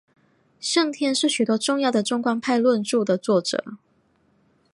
圣天是许多重要的中观派论着的作者。